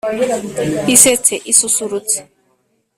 isetse, isusurutse